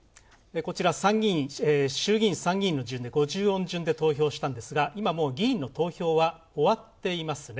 こちら、衆議院、参議院の順で５０音順で投票したんですが今、議員の投票は終わっていますね。